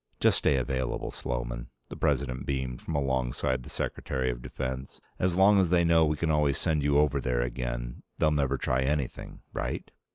"Just stay available, Sloman," the President beamed from alongside the Secretary of Defense. "As long as they know we can always send you over there again, they'll never try anything. Right?"